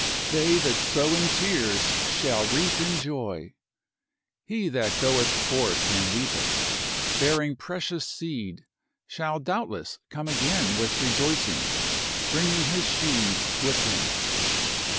They that sow in tears shall reap in joy. He that goeth forth and weepeth, bearing precious seed, shall doubtless come again with rejoicing, bringing his sheaves with him.